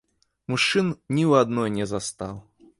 Мужчын ні ў адной не застаў.